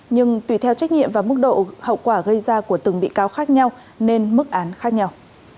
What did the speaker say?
nhưng tùy theo trách nhiệm và mức độ hậu quả gây ra của từng bị cáo khác nhau nên mức án khác nhau